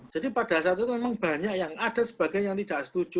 jadi pada saat itu memang banyak yang ada sebagai yang tidak setuju